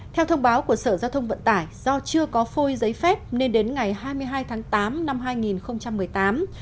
theo thông báo của sở giao thông vận tải do chưa có phôi giấy phép nên đến ngày hai mươi hai tháng tám năm hai nghìn một mươi tám